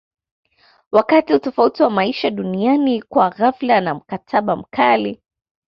wakati utofauti wa maisha duniani kwa ghafla na mkataba mkali